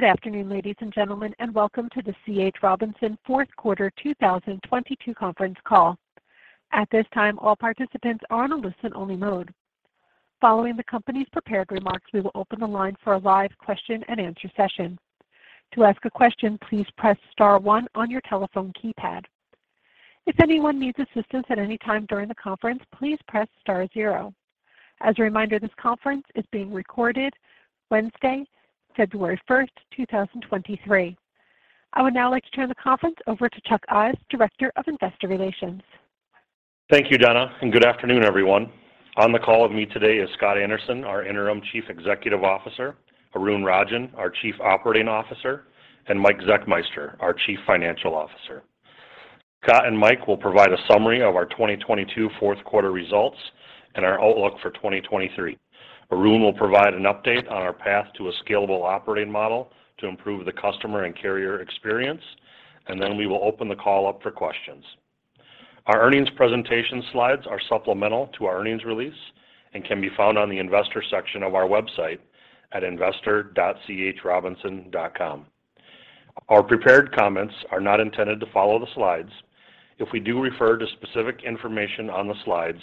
Good afternoon, ladies and gentlemen, and welcome to the C.H. Robinson Fourth Quarter 2022 Conference Call. At this time, all participants are on a listen only mode. Following the company's prepared remarks, we will open the line for a live question-and-answer session. To ask a question, please press star one on your telephone keypad. If anyone needs assistance at any time during the conference, please press star zero. As a reminder, this conference is being recorded Wednesday, February 1st, 2023. I would now like to turn the conference over to Chuck Ives, Director of Investor Relations. Thank you, Jenna, good afternoon, everyone. On the call with me today is Scott Anderson, our Interim Chief Executive Officer, Arun Rajan, our Chief Operating Officer, and Mike Zechmeister, our Chief Financial Officer. Scott and Mike will provide a summary of our 2022 fourth quarter results and our outlook for 2023. Arun will provide an update on our path to a scalable operating model to improve the customer and carrier experience, and then we will open the call up for questions. Our earnings presentation slides are supplemental to our earnings release and can be found on the investor section of our website at investor.chrobinson.com. Our prepared comments are not intended to follow the slides. If we do refer to specific information on the slides,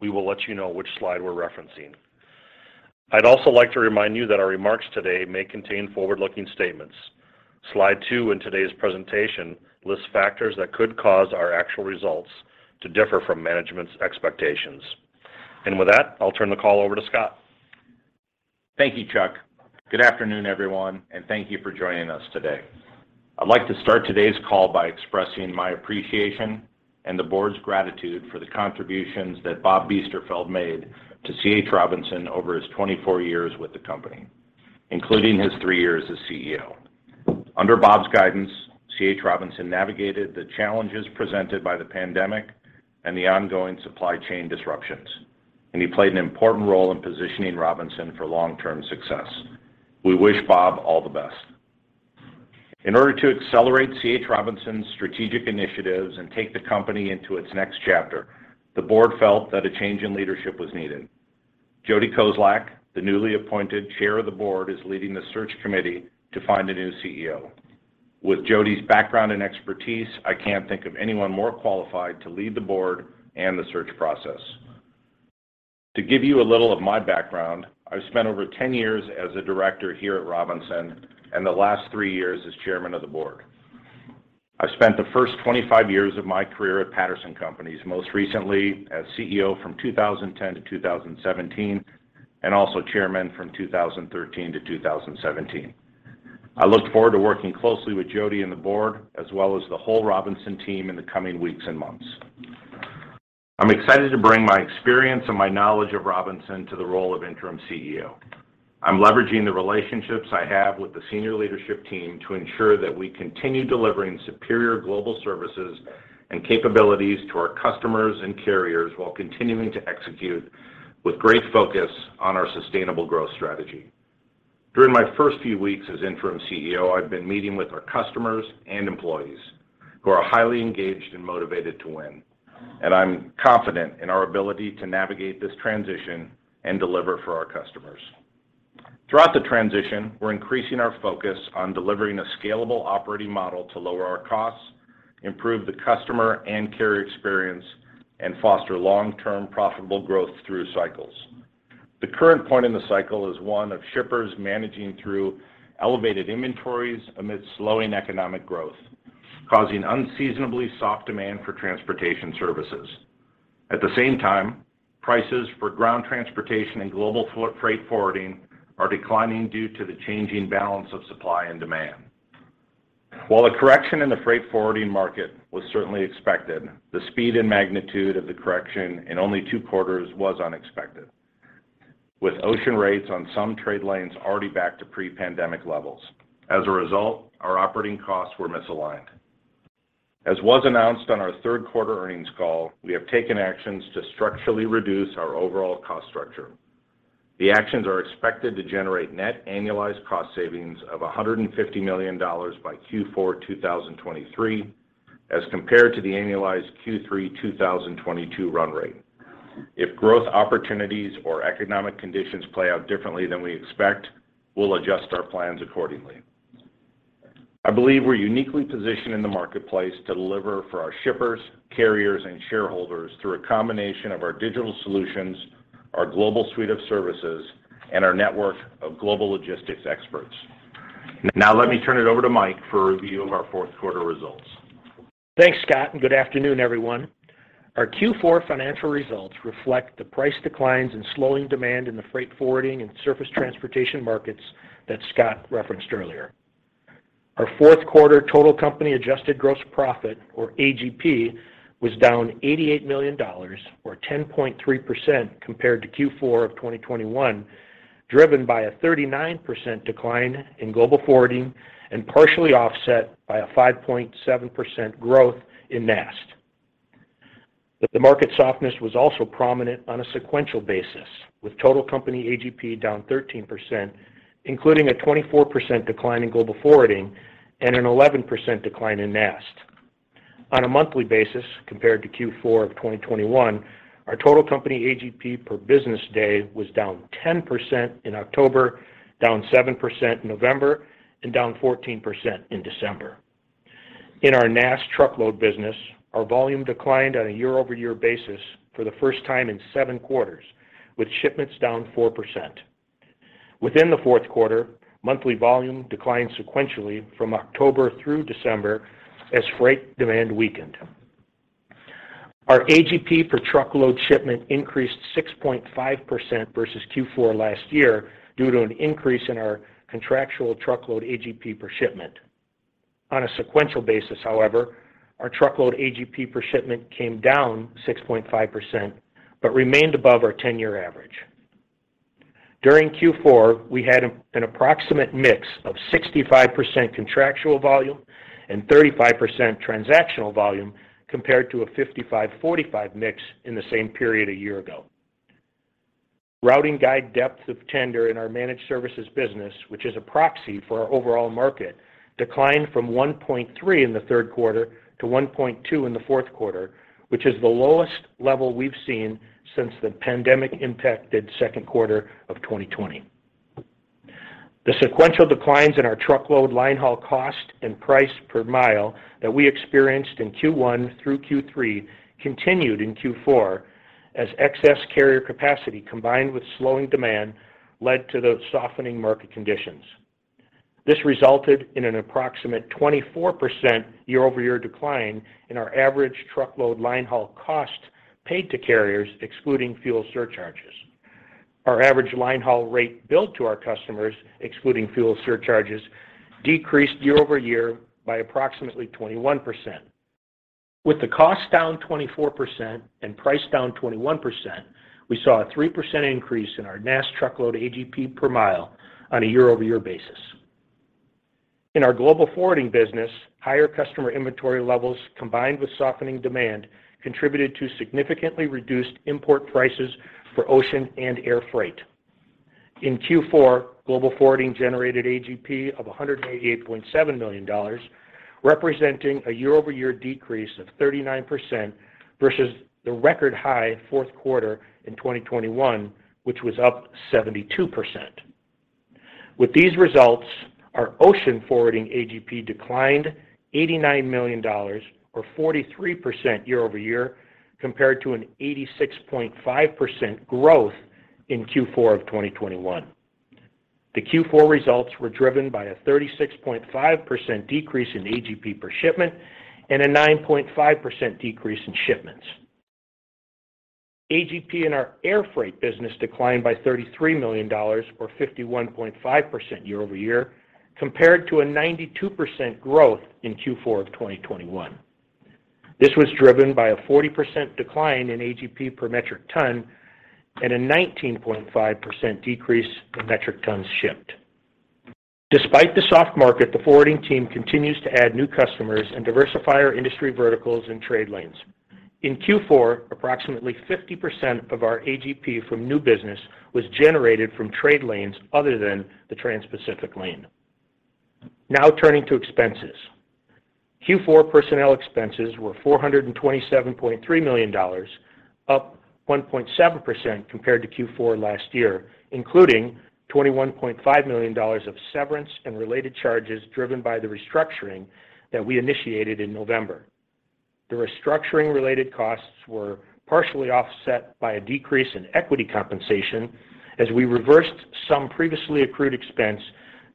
we will let you know which slide we're referencing. I'd also like to remind you that our remarks today may contain forward-looking statements. Slide two in today's presentation lists factors that could cause our actual results to differ from management's expectations. With that, I'll turn the call over to Scott. Thank you, Chuck. Good afternoon, everyone, and thank you for joining us today. I'd like to start today's call by expressing my appreciation and the board's gratitude for the contributions that Bob Biesterfeld made to C.H. Robinson over his 24 years with the company, including his three years as CEO. Under Bob's guidance, C.H. Robinson navigated the challenges presented by the pandemic and the ongoing supply chain disruptions, and he played an important role in positioning Robinson for long-term success. We wish Bob all the best. In order to accelerate C.H. Robinson's strategic initiatives and take the company into its next chapter, the board felt that a change in leadership was needed. Jodee Kozlak, the newly appointed Chair of the Board, is leading the search committee to find a new CEO. With Jodee's background and expertise, I can't think of anyone more qualified to lead the board and the search process. To give you a little of my background, I've spent over 10 years as a director here at Robinson and the last three years as chairman of the board. I spent the first 25 years of my career at Patterson Companies, most recently as CEO from 2010 to 2017, and also chairman from 2013 to 2017. I look forward to working closely with Jodee and the board, as well as the whole Robinson team in the coming weeks and months. I'm excited to bring my experience and my knowledge of Robinson to the role of Interim CEO. I'm leveraging the relationships I have with the senior leadership team to ensure that we continue delivering superior global services and capabilities to our customers and carriers while continuing to execute with great focus on our sustainable growth strategy. During my first few weeks as Interim CEO, I've been meeting with our customers and employees who are highly engaged and motivated to win, and I'm confident in our ability to navigate this transition and deliver for our customers. Throughout the transition, we're increasing our focus on delivering a scalable operating model to lower our costs, improve the customer and carrier experience, and foster long-term profitable growth through cycles. The current point in the cycle is one of shippers managing through elevated inventories amid slowing economic growth, causing unseasonably soft demand for transportation services. At the same time, prices for ground transportation and Global Forwarding are declining due to the changing balance of supply and demand. A correction in the freight forwarding market was certainly expected, the speed and magnitude of the correction in only two quarters was unexpected. Ocean rates on some trade lanes already back to pre-pandemic levels. Our operating costs were misaligned. Was announced on our third quarter earnings call, we have taken actions to structurally reduce our overall cost structure. The actions are expected to generate net annualized cost savings of $150 million by Q4 2023 as compared to the annualized Q3 2022 run rate. Growth opportunities or economic conditions play out differently than we expect, we'll adjust our plans accordingly. I believe we're uniquely positioned in the marketplace to deliver for our shippers, carriers, and shareholders through a combination of our digital solutions, our global suite of services, and our network of global logistics experts. Now let me turn it over to Mike for a review of our fourth quarter results. Thanks, Scott, and good afternoon, everyone. Our Q4 financial results reflect the price declines and slowing demand in the freight forwarding and surface transportation markets that Scott referenced earlier. Our fourth quarter total company adjusted gross profit or AGP was down $88 million or 10.3% compared to Q4 of 2021, driven by a 39% decline in Global Forwarding and partially offset by a 5.7% growth in NAST. The market softness was also prominent on a sequential basis, with total company AGP down 13%, including a 24% decline in Global Forwarding and an 11% decline in NAST. On a monthly basis compared to Q4 of 2021, our total company AGP per business day was down 10% in October, down 7% in November, and down 14% in December. In our NAST truckload business, our volume declined on a year-over-year basis for the first time in seven quarters with shipments down 4%. Within the fourth quarter, monthly volume declined sequentially from October through December as freight demand weakened. Our AGP per truckload shipment increased 6.5% versus Q4 last year due to an increase in our contractual truckload AGP per shipment. On a sequential basis, however, our truckload AGP per shipment came down 6.5% but remained above our 10-year average. During Q4, we had an approximate mix of 65% contractual volume and 35% transactional volume compared to a 55-45 mix in the same period a year ago. Routing guide depth of tender in our managed services business, which is a proxy for our overall market, declined from 1.3 in the third quarter to 1.2 in the fourth quarter, which is the lowest level we've seen since the pandemic impacted second quarter of 2020. The sequential declines in our truckload line haul cost and price per mile that we experienced in Q1 through Q3 continued in Q4 as excess carrier capacity combined with slowing demand led to those softening market conditions. This resulted in an approximate 24% year-over-year decline in our average truckload line haul cost paid to carriers excluding fuel surcharges. Our average line haul rate billed to our customers, excluding fuel surcharges, decreased year-over-year by approximately 21%. With the cost down 24% and price down 21%, we saw a 3% increase in our NAST truckload AGP per mile on a year-over-year basis. In our Global Forwarding business, higher customer inventory levels combined with softening demand contributed to significantly reduced import prices for ocean and air freight. In Q4, Global Forwarding generated AGP of $188.7 million, representing a year-over-year decrease of 39% versus the record high fourth quarter in 2021, which was up 72%. With these results, our ocean forwarding AGP declined $89 million or 43% year-over-year compared to an $86.5 growth in Q4 of 2021. The Q4 results were driven by a 36.5% decrease in AGP per shipment and a 9.5% decrease in shipments. AGP in our air freight business declined by $33 million or 51.5% year-over-year compared to a 92% growth in Q4 of 2021. This was driven by a 40% decline in AGP per metric ton and a 19.5% decrease in metric tons shipped. Despite the soft market, the forwarding team continues to add new customers and diversify our industry verticals and trade lanes. In Q4, approximately 50% of our AGP from new business was generated from trade lanes other than the Transpacific lane. Turning to expenses. Q4 personnel expenses were $427.3 million, up 1.7% compared to Q4 last year, including $21.5 million of severance and related charges driven by the restructuring that we initiated in November. The restructuring related costs were partially offset by a decrease in equity compensation as we reversed some previously accrued expense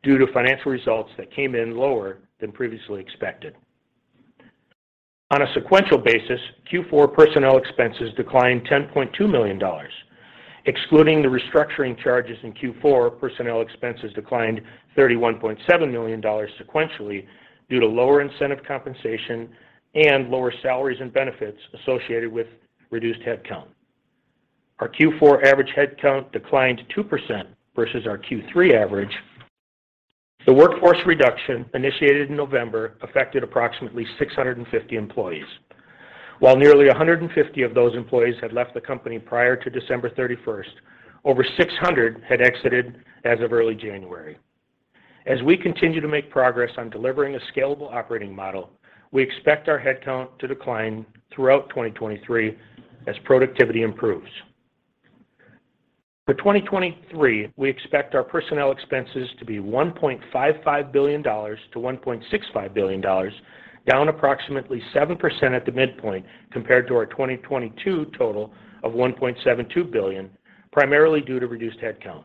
due to financial results that came in lower than previously expected. On a sequential basis, Q4 personnel expenses declined $10.2 million. Excluding the restructuring charges in Q4, personnel expenses declined $31.7 million sequentially due to lower incentive compensation and lower salaries and benefits associated with reduced headcount. Our Q4 average headcount declined 2% versus our Q3 average. The workforce reduction initiated in November affected approximately 650 employees. While nearly 150 of those employees had left the company prior to December 31st, over 600 had exited as of early January. As we continue to make progress on delivering a scalable operating model, we expect our headcount to decline throughout 2023 as productivity improves. For 2023, we expect our personnel expenses to be $1.55 billion-$1.65 billion, down approximately 7% at the midpoint compared to our 2022 total of $1.72 billion, primarily due to reduced headcount.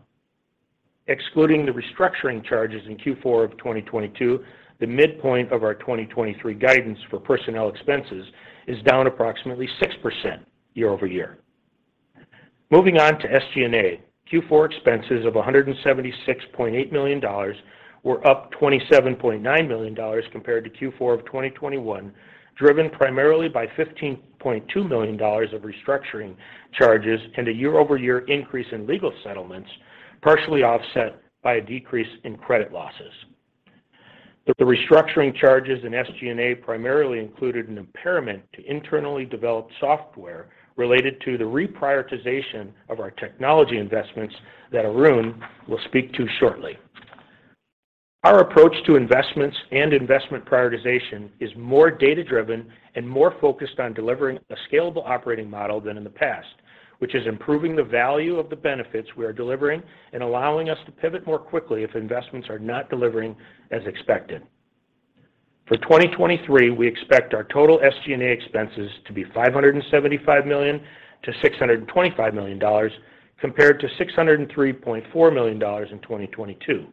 Excluding the restructuring charges in Q4 of 2022, the midpoint of our 2023 guidance for personnel expenses is down approximately 6% year-over-year. Moving on to SG&A. Q4 expenses of $176.8 million were up $27.9 million compared to Q4 of 2021, driven primarily by $15.2 million of restructuring charges and a year-over-year increase in legal settlements, partially offset by a decrease in credit losses. The restructuring charges in SG&A primarily included an impairment to internally developed software related to the reprioritization of our technology investments that Arun will speak to shortly. Our approach to investments and investment prioritization is more data-driven and more focused on delivering a scalable operating model than in the past, which is improving the value of the benefits we are delivering and allowing us to pivot more quickly if investments are not delivering as expected. For 2023, we expect our total SG&A expenses to be $575 million-$625 million compared to $603.4 million in 2022.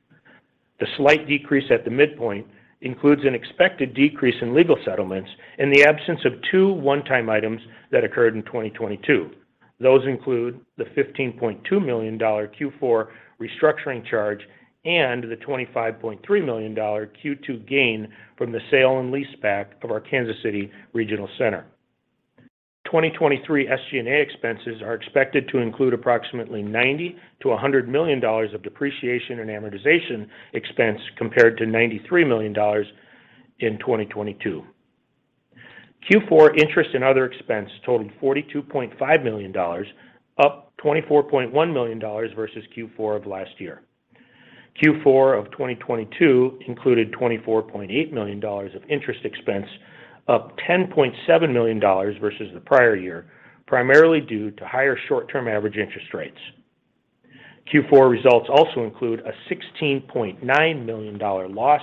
The slight decrease at the midpoint includes an expected decrease in legal settlements and the absence of 2 one-time items that occurred in 2022. Those include the $15.2 million Q4 restructuring charge and the $25.3 million Q2 gain from the sale and leaseback of our Kansas City regional center. 2023 SG&A expenses are expected to include approximately $90 million-$100 million of depreciation and amortization expense compared to $93 million in 2022. Q4 interest and other expense totaled $42.5 million, up $24.1 million versus Q4 of last year. Q4 of 2022 included $24.8 million of interest expense, up $10.7 million versus the prior year, primarily due to higher short-term average interest rates. Q4 results also include a $16.9 million loss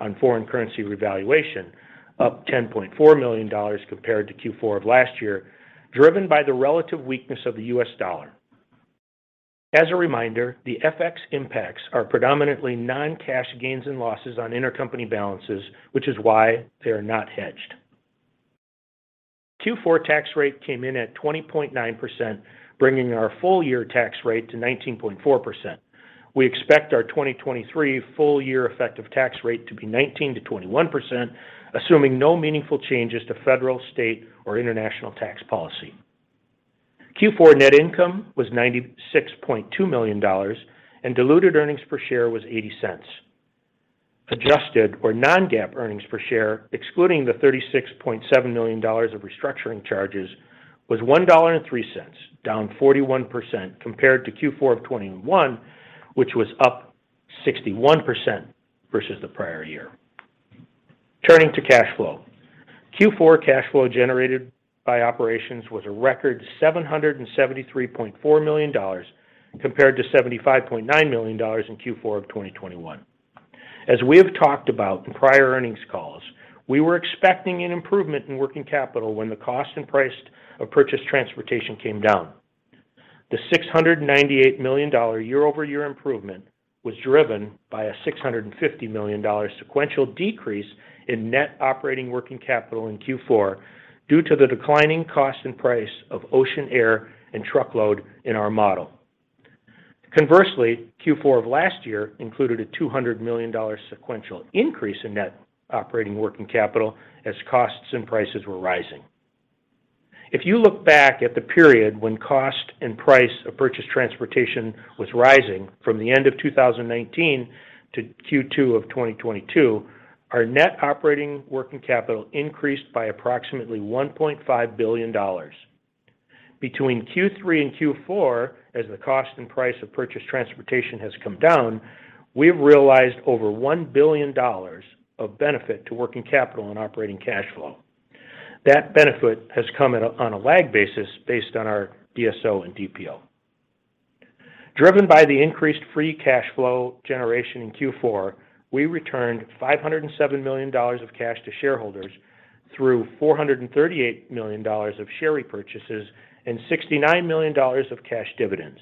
on foreign currency revaluation, up $10.4 million compared to Q4 of last year, driven by the relative weakness of the U.S. dollar. As a reminder, the FX impacts are predominantly non-cash gains and losses on intercompany balances, which is why they are not hedged. Q4 tax rate came in at 20.9%, bringing our full year tax rate to 19.4%. We expect our 2023 full year effective tax rate to be 19%-21%, assuming no meaningful changes to federal, state, or international tax policy. Q4 net income was $96.2 million, diluted earnings per share was $0.80. Adjusted or non-GAAP earnings per share, excluding the $36.7 million of restructuring charges, was $1.03, down 41% compared to Q4 of 2021, which was up 61% versus the prior year. Turning to cash flow. Q4 cash flow generated by operations was a record $773.4 million compared to $75.9 million in Q4 of 2021. As we have talked about in prior earnings calls, we were expecting an improvement in working capital when the cost and price of purchased transportation came down. The $698 million year-over-year improvement was driven by a $650 million sequential decrease in net operating working capital in Q4 due to the declining cost and price of ocean, air, and truckload in our model. Conversely, Q4 of last year included a $200 million sequential increase in net operating working capital as costs and prices were rising. If you look back at the period when cost and price of purchased transportation was rising from the end of 2019 to Q2 of 2022, our net operating working capital increased by approximately $1.5 billion. Between Q3 and Q4, as the cost and price of purchased transportation has come down, we have realized over $1 billion of benefit to working capital and operating cash flow. That benefit has come in on a lag basis based on our DSO and DPO. Driven by the increased free cash flow generation in Q4, we returned $507 million of cash to shareholders through $438 million of share repurchases and $69 million of cash dividends.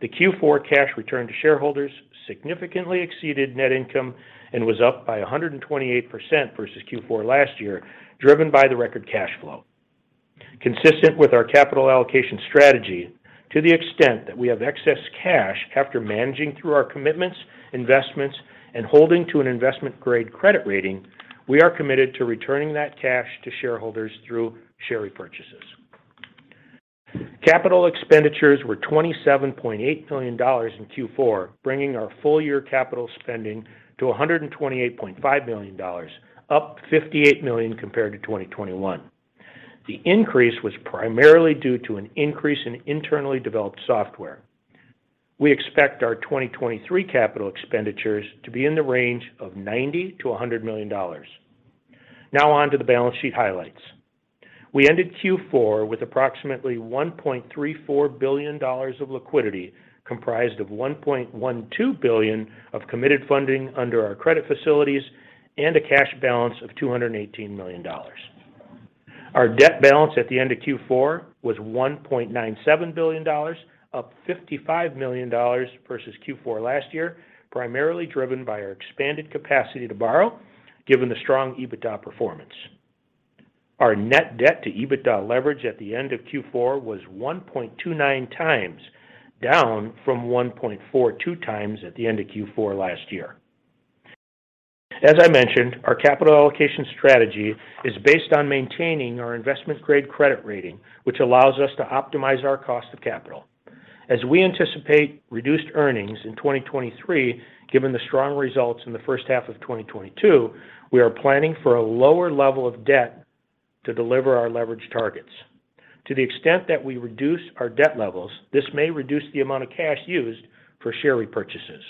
The Q4 cash returned to shareholders significantly exceeded net income and was up by 128% versus Q4 last year, driven by the record cash flow. Consistent with our capital allocation strategy, to the extent that we have excess cash after managing through our commitments, investments, and holding to an investment-grade credit rating, we are committed to returning that cash to shareholders through share repurchases. Capital expenditures were $27.8 million in Q4, bringing our full year capital spending to $128.5 million, up $58 million compared to 2021. The increase was primarily due to an increase in internally developed software. We expect our 2023 capital expenditures to be in the range of $90 million-$100 million. On to the balance sheet highlights. We ended Q4 with approximately $1.34 billion of liquidity, comprised of $1.12 billion of committed funding under our credit facilities and a cash balance of $218 million. Our debt balance at the end of Q4 was $1.97 billion, up $55 million versus Q4 last year, primarily driven by our expanded capacity to borrow, given the strong EBITDA performance. Our net debt to EBITDA leverage at the end of Q4 was 1.29x, down from 1.42x at the end of Q4 last year. As I mentioned, our capital allocation strategy is based on maintaining our investment-grade credit rating, which allows us to optimize our cost of capital. As we anticipate reduced earnings in 2023, given the strong results in the first half of 2022, we are planning for a lower level of debt. To deliver our leverage targets. To the extent that we reduce our debt levels, this may reduce the amount of cash used for share repurchases.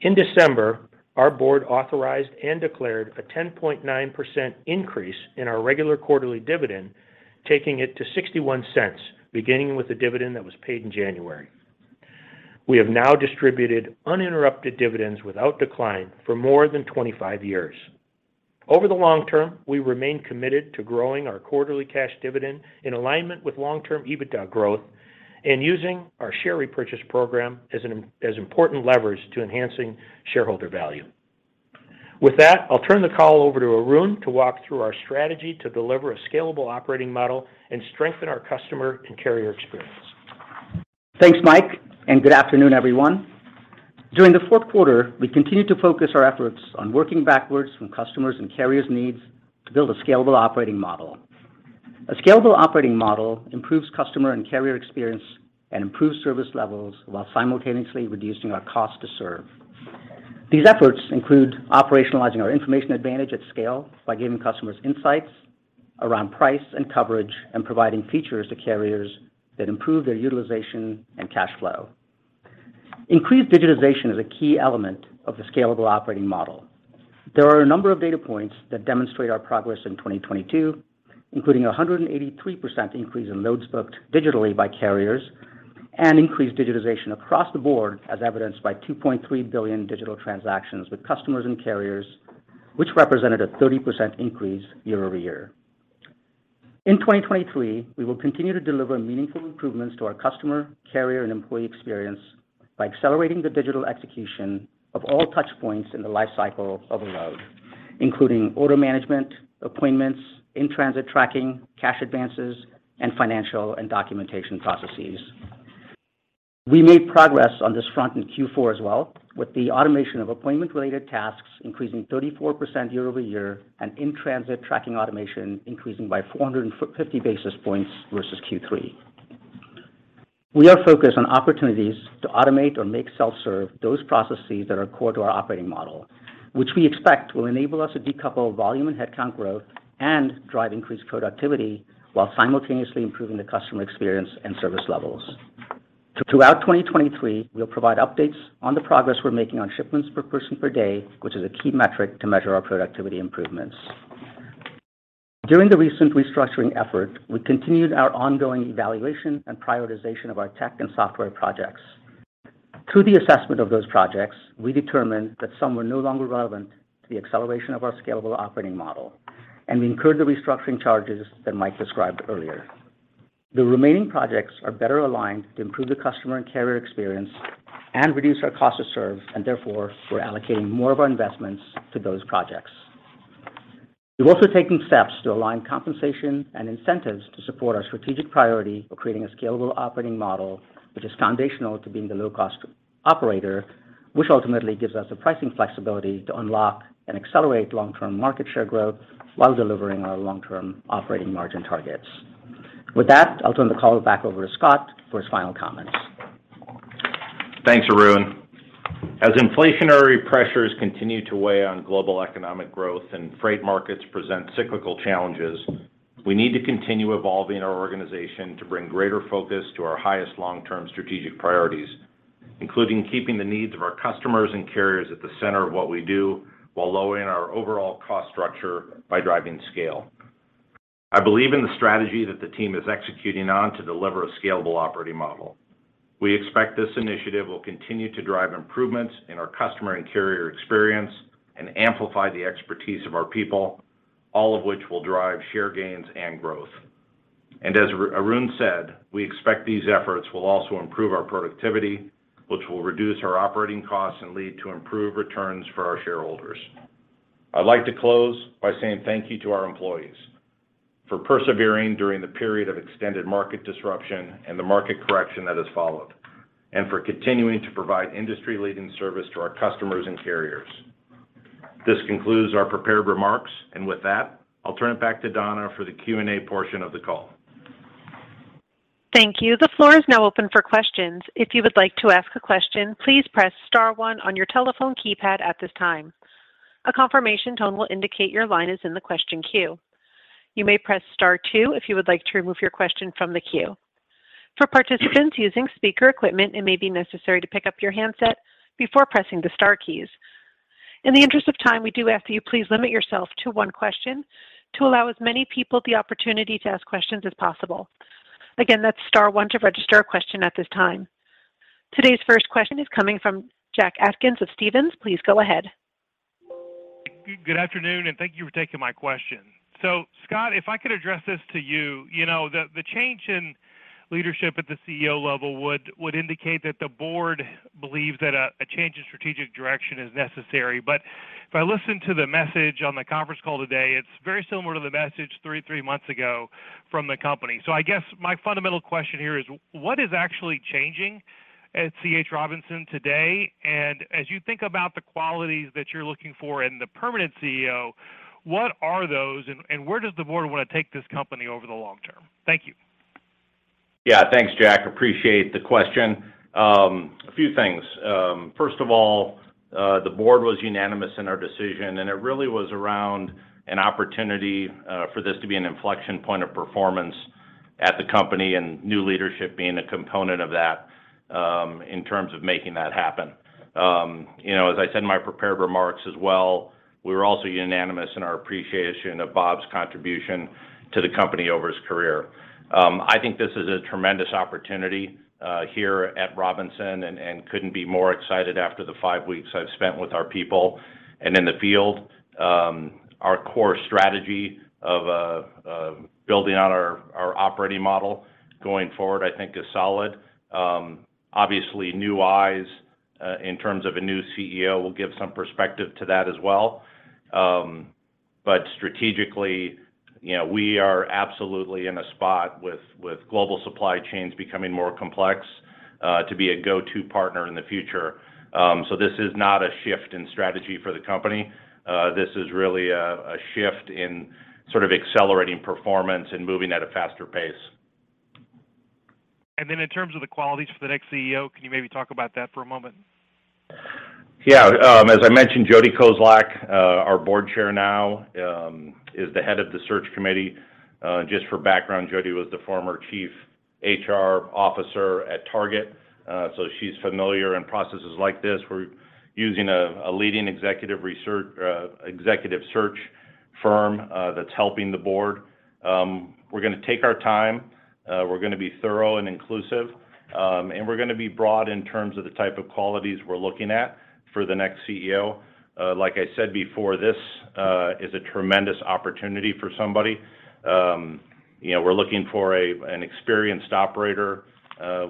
In December, our board authorized and declared a 10.9% increase in our regular quarterly dividend, taking it to $0.61, beginning with the dividend that was paid in January. We have now distributed uninterrupted dividends without decline for more than 25 years. Over the long term, we remain committed to growing our quarterly cash dividend in alignment with long-term EBITDA growth and using our share repurchase program as important leverage to enhancing shareholder value. With that, I'll turn the call over to Arun to walk through our strategy to deliver a scalable operating model and strengthen our customer and carrier experience. Thanks, Mike. Good afternoon, everyone. During the fourth quarter, we continued to focus our efforts on working backwards from customers and carriers needs to build a scalable operating model. A scalable operating model improves customer and carrier experience and improves service levels while simultaneously reducing our cost to serve. These efforts include operationalizing our information advantage at scale by giving customers insights around price and coverage, and providing features to carriers that improve their utilization and cash flow. Increased digitization is a key element of the scalable operating model. There are a number of data points that demonstrate our progress in 2022, including 183% increase in loads booked digitally by carriers and increased digitization across the board, as evidenced by 2.3 billion digital transactions with customers and carriers, which represented a 30% increase year-over-year. In 2023, we will continue to deliver meaningful improvements to our customer, carrier, and employee experience by accelerating the digital execution of all touch points in the life cycle of a load, including order management, appointments, in-transit tracking, cash advances, and financial and documentation processes. We made progress on this front in Q4 as well, with the automation of appointment-related tasks increasing 34% year-over-year, and in-transit tracking automation increasing by 450 basis points versus Q3. We are focused on opportunities to automate or make self-serve those processes that are core to our operating model, which we expect will enable us to decouple volume and headcount growth and drive increased productivity while simultaneously improving the customer experience and service levels. Throughout 2023, we'll provide updates on the progress we're making on shipments per person per day, which is a key metric to measure our productivity improvements. During the recent restructuring effort, we continued our ongoing evaluation and prioritization of our tech and software projects. Through the assessment of those projects, we determined that some were no longer relevant to the acceleration of our scalable operating model, and we incurred the restructuring charges that Mike described earlier. The remaining projects are better aligned to improve the customer and carrier experience and reduce our cost to serve, and therefore, we're allocating more of our investments to those projects. We've also taken steps to align compensation and incentives to support our strategic priority of creating a scalable operating model, which is foundational to being the low-cost operator, which ultimately gives us the pricing flexibility to unlock and accelerate long-term market share growth while delivering our long-term operating margin targets. With that, I'll turn the call back over to Scott for his final comments. Thanks, Arun. As inflationary pressures continue to weigh on global economic growth and freight markets present cyclical challenges, we need to continue evolving our organization to bring greater focus to our highest long-term strategic priorities, including keeping the needs of our customers and carriers at the center of what we do while lowering our overall cost structure by driving scale. I believe in the strategy that the team is executing on to deliver a scalable operating model. We expect this initiative will continue to drive improvements in our customer and carrier experience and amplify the expertise of our people, all of which will drive share gains and growth. As Arun said, we expect these efforts will also improve our productivity, which will reduce our operating costs and lead to improved returns for our shareholders. I'd like to close by saying thank you to our employees for persevering during the period of extended market disruption and the market correction that has followed, and for continuing to provide industry-leading service to our customers and carriers. This concludes our prepared remarks. With that, I'll turn it back to Donna for the Q&A portion of the call. Thank you. The floor is now open for questions. If you would like to ask a question, please press star one on your telephone keypad at this time. A confirmation tone will indicate your line is in the question queue. You may press star two if you would like to remove your question from the queue. For participants using speaker equipment, it may be necessary to pick up your handset before pressing the star keys. In the interest of time, we do ask you please limit yourself to one question to allow as many people the opportunity to ask questions as possible. Again, that's star one to register a question at this time. Today's first question is coming from Jack Atkins of Stephens. Please go ahead. Good afternoon. Thank you for taking my question. Scott, if I could address this to you. You know, the change in leadership at the CEO level would indicate that the board believes that a change in strategic direction is necessary. If I listen to the message on the conference call today, it's very similar to the message three months ago from the company. I guess my fundamental question here is, what is actually changing at C.H. Robinson today? As you think about the qualities that you're looking for in the permanent CEO, what are those and where does the board want to take this company over the long term? Thank you. Yeah. Thanks, Jack. Appreciate the question. A few things. First of all, the board was unanimous in our decision. It really was around an opportunity for this to be an inflection point of performance at the company and new leadership being a component of that, in terms of making that happen. You know, as I said in my prepared remarks as well, we were also unanimous in our appreciation of Bob's contribution to the company over his career. I think this is a tremendous opportunity, here at Robinson. Couldn't be more excited after the five weeks I've spent with our people and in the field. Our core strategy of, building out our operating model going forward, I think is solid. Obviously new eyes, in terms of a new CEO will give some perspective to that as well. Strategically, you know, we are absolutely in a spot with global supply chains becoming more complex, to be a go-to partner in the future. This is not a shift in strategy for the company. This is really a shift in sort of accelerating performance and moving at a faster pace. Then in terms of the qualities for the next CEO, can you maybe talk about that for a moment? Yeah. As I mentioned, Jodee Kozlak, our Board Chair now, is the head of the search committee. Just for background, Jodee was the former Chief HR Officer at Target. She's familiar in processes like this. We're using a leading executive search firm that's helping the board. We're gonna take our time. We're gonna be thorough and inclusive, and we're gonna be broad in terms of the type of qualities we're looking at for the next CEO. Like I said before, this is a tremendous opportunity for somebody. You know, we're looking for an experienced operator,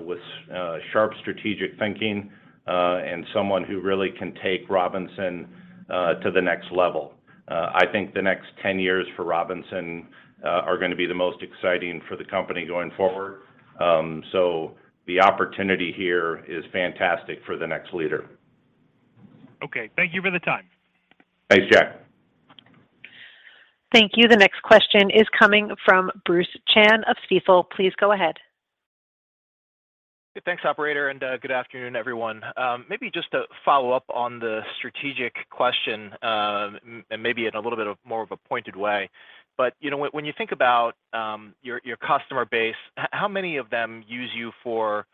with sharp strategic thinking, and someone who really can take Robinson to the next level. I think the next 10 years for Robinson are gonna be the most exciting for the company going forward. The opportunity here is fantastic for the next leader. Okay. Thank you for the time. Thanks, Jack. Thank you. The next question is coming from Bruce Chan of Stifel. Please go ahead. Thanks, operator. Good afternoon, everyone. Maybe just to follow up on the strategic question, maybe in a little bit of more of a pointed way. You know, when you think about your customer base, how many of them use you for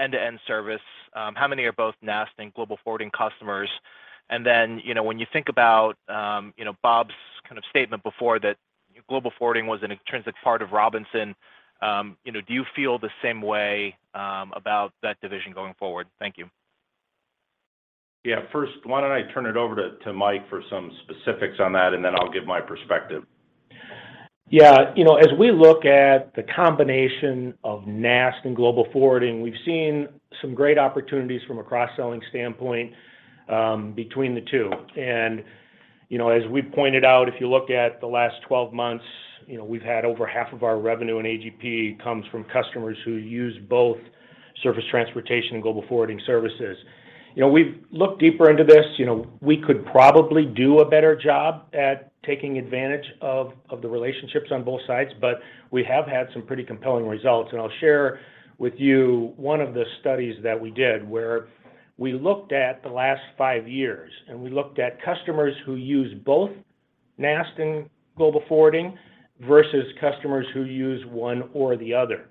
end-to-end service? How many are both NAST and Global Forwarding customers? Then, you know, when you think about, you know, Bob's kind of statement before that Global Forwarding was an intrinsic part of Robinson, you know, do you feel the same way about that division going forward? Thank you. Yeah. First, why don't I turn it over to Mike for some specifics on that, and then I'll give my perspective. Yeah. You know, as we look at the combination of NAST and Global Forwarding, we've seen some great opportunities from a cross-selling standpoint, between the two. You know, as we pointed out, if you look at the last 12 months, you know, we've had over half of our revenue in AGP comes from customers who use both service transportation and Global Forwarding services. You know, we've looked deeper into this. You know, we could probably do a better job at taking advantage of the relationships on both sides, but we have had some pretty compelling results. I'll share with you one of the studies that we did where we looked at the last five years, and we looked at customers who use both NAST and Global Forwarding versus customers who use one or the other.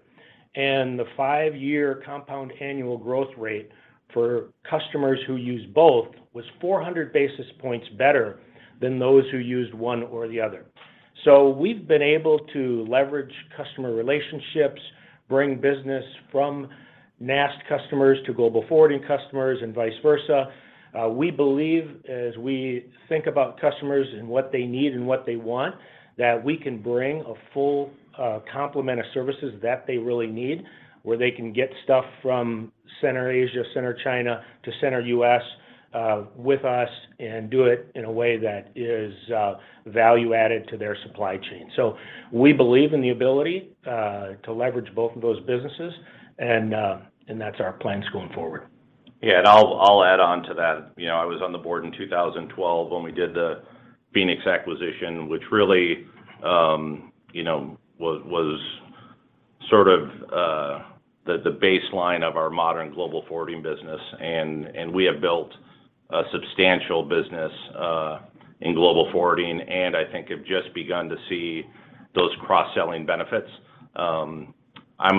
The five-year compound annual growth rate for customers who use both was 400 basis points better than those who used one or the other. We've been able to leverage customer relationships, bring business from NAST customers to Global Forwarding customers and vice versa. We believe as we think about customers and what they need and what they want, that we can bring a full complement of services that they really need, where they can get stuff from center Asia, center China to center U.S. with us and do it in a way that is value added to their supply chain. We believe in the ability to leverage both of those businesses, and that's our plans going forward. Yeah. I'll add on to that. You know, I was on the board in 2012 when we did the Phoenix acquisition, which really, you know, was sort of the baseline of our modern Global Forwarding business. We have built a substantial business in Global Forwarding, and I think have just begun to see those cross-selling benefits. I'm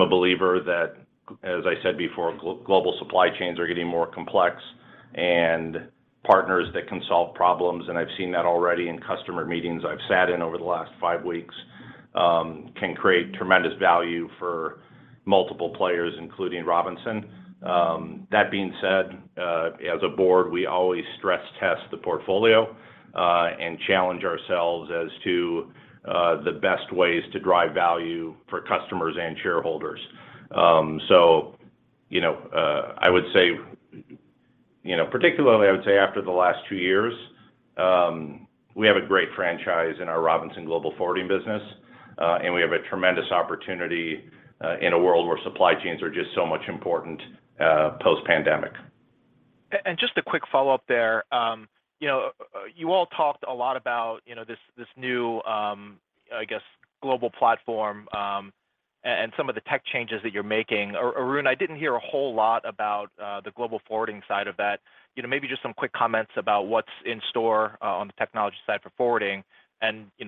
a believer that, as I said before, global supply chains are getting more complex, and partners that can solve problems, and I've seen that already in customer meetings I've sat in over the last five weeks, can create tremendous value for multiple players, including Robinson. That being said, as a board, we always stress test the portfolio and challenge ourselves as to the best ways to drive value for customers and shareholders. You know, I would say, you know, particularly I would say after the last two years, we have a great franchise in our Robinson Global Forwarding business, and we have a tremendous opportunity, in a world where supply chains are just so much important, post-pandemic. Just a quick follow-up there. You know, you all talked a lot about, you know, this new, I guess, global platform, and some of the tech changes that you're making. Arun, I didn't hear a whole lot about the Global Forwarding side of that. You know, maybe just some quick comments about what's in store on the technology side for forwarding.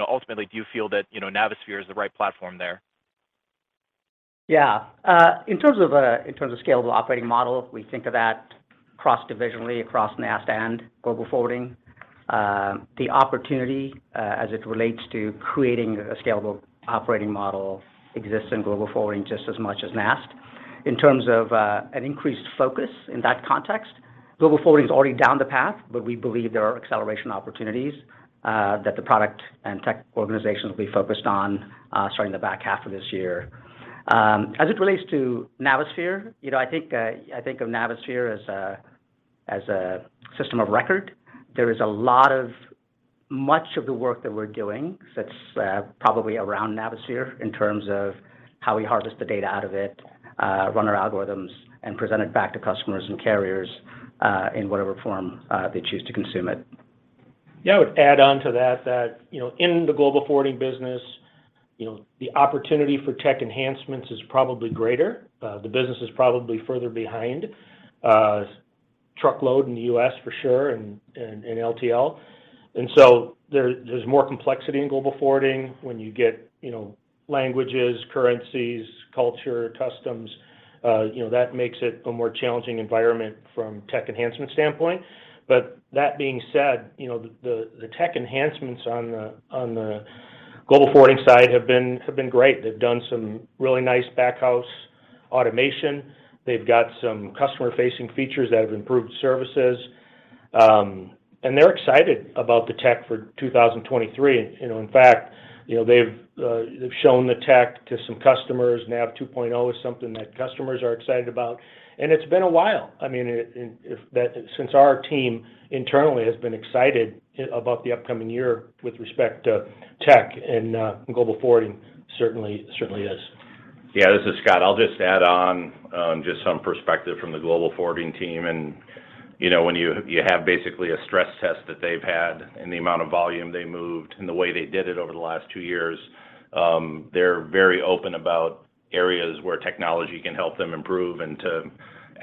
Ultimately, do you feel that, you know, Navisphere is the right platform there? Yeah. In terms of, in terms of scalable operating model, we think of that cross-divisionally across NAST and Global Forwarding. The opportunity, as it relates to creating a scalable operating model exists in Global Forwarding just as much as NAST. In terms of, an increased focus in that context, Global Forwarding is already down the path, but we believe there are acceleration opportunities, that the product and tech organizations will be focused on, starting the back half of this year. As it relates to Navisphere, you know, I think, I think of Navisphere as a system of record. There is a lot of much of the work that we're doing that's, probably around Navisphere in terms of how we harvest the data out of it, run our algorithms, and present it back to customers and carriers, in whatever form, they choose to consume it. Yeah, I would add on to that, you know, in the Global Forwarding business, you know, the opportunity for tech enhancements is probably greater. The business is probably further behind, truckload in the U.S. for sure and in LTL. There's more complexity in Global Forwarding when you get, you know, languages, currencies, culture, customs, you know, that makes it a more challenging environment from tech enhancement standpoint. That being said, you know, the tech enhancements on the Global Forwarding side have been great. They've done some really nice back-office automation. They've got some customer-facing features that have improved services. They're excited about the tech for 2023. You know, in fact, you know, they've shown the tech to some customers. Navisphere 2.0 is something that customers are excited about, and it's been a while. I mean, that since our team internally has been excited about the upcoming year with respect to tech and Global Forwarding certainly is. Yeah, this is Scott. I'll just add on, just some perspective from the Global Forwarding team. You know, when you have basically a stress test that they've had and the amount of volume they moved and the way they did it over the last two years, they're very open about areas where technology can help them improve. To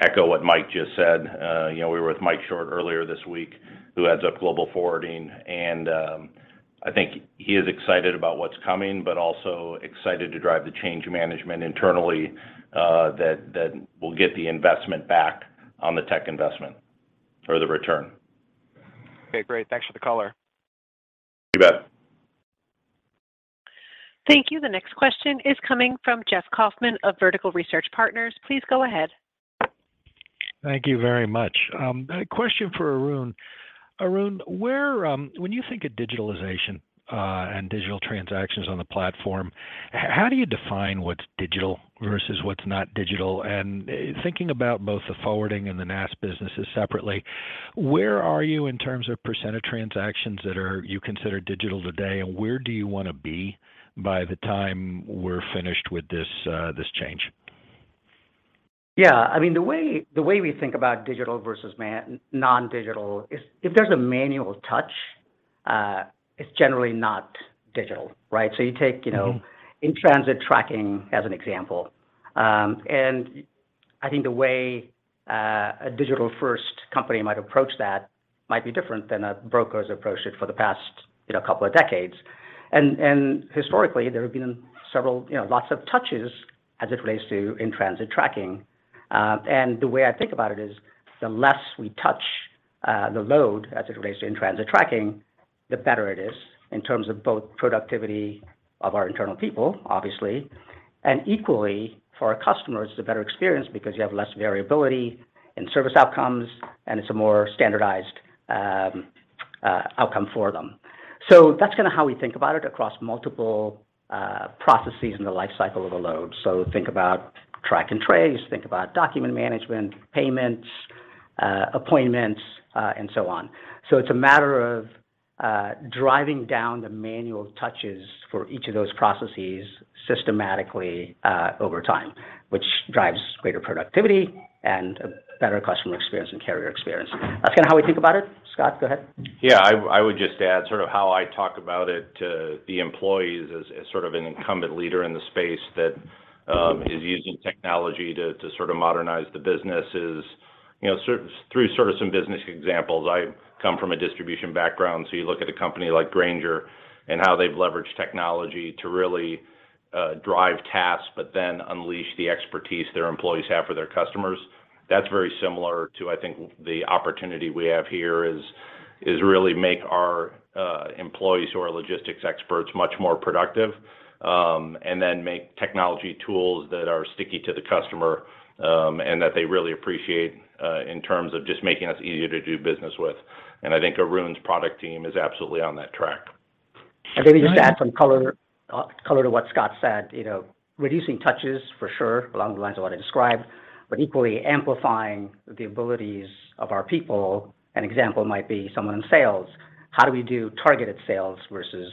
echo what Mike just said, you know, we were with Mike Short earlier this week, who heads up Global Forwarding, and I think he is excited about what's coming, but also excited to drive the change management internally that will get the investment back on the tech investment or the return. Okay, great. Thanks for the color. You bet. Thank you. The next question is coming from Jeff Kauffman of Vertical Research Partners. Please go ahead. Thank you very much. A question for Arun. Arun, where, when you think of digitalization, and digital transactions on the platform, how do you define what's digital versus what's not digital? And thinking about both the forwarding and the NAST businesses separately, where are you in terms of percent of transactions that are you consider digital today, and where do you wanna be by the time we're finished with this change? Yeah, I mean, the way we think about digital versus non-digital is if there's a manual touch, it's generally not digital, right? You take, you know, in-transit tracking as an example. I think the way a digital-first company might approach that might be different than a broker has approached it for the past, you know, a couple of decades. Historically, there have been several, you know, lots of touches as it relates to in-transit tracking. The way I think about it is the less we touch, the load as it relates to in-transit tracking, the better it is in terms of both productivity of our internal people, obviously, and equally for our customers, it's a better experience because you have less variability in service outcomes, and it's a more standardized outcome for them. That's kinda how we think about it across multiple processes in the life cycle of a load. Think about track and trace, think about document management, payments, appointments, and so on. It's a matter of driving down the manual touches for each of those processes systematically over time, which drives greater productivity and a better customer experience and carrier experience. That's kinda how we think about it. Scott, go ahead. Yeah. I would just add sort of how I talk about it to the employees as sort of an incumbent leader in the space that is using technology to sort of modernize the business is, you know, through sort of some business examples. I come from a distribution background, so you look at a company like Grainger and how they've leveraged technology to really drive tasks, but then unleash the expertise their employees have for their customers. That's very similar to, I think, the opportunity we have here is really make our employees who are logistics experts much more productive, and then make technology tools that are sticky to the customer, and that they really appreciate in terms of just making us easier to do business with. I think Arun's product team is absolutely on that track. Maybe just to add some color to what Scott said, you know, reducing touches for sure, along the lines of what I described, but equally amplifying the abilities of our people. An example might be someone in sales. How do we do targeted sales versus,